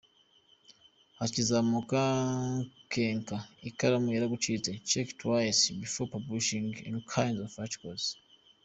Bakizamuka nkeka ikaramu yagucitse check twice before publishing an kind of articles.